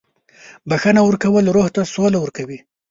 • بخښنه ورکول روح ته سوله ورکوي.